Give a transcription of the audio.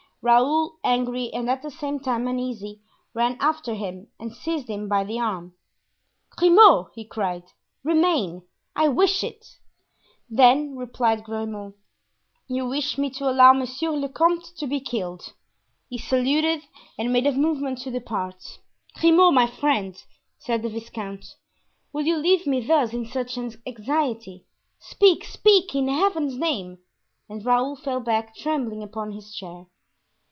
Raoul, angry and at the same time uneasy, ran after him and seized him by the arm. "Grimaud!" he cried; "remain; I wish it." "Then," replied Grimaud, "you wish me to allow monsieur le comte to be killed." He saluted and made a movement to depart. "Grimaud, my friend," said the viscount, "will you leave me thus, in such anxiety? Speak, speak, in Heaven's name!" And Raoul fell back trembling upon his chair.